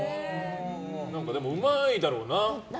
でも、うまいだろうな。